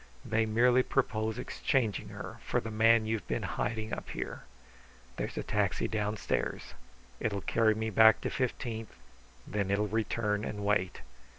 They merely propose exchanging her for the man you've been hiding up here. There's a taxi downstairs. It will carry me back to Fifteenth; then it will return and wait.